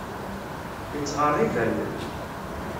Yettɣerrib allen.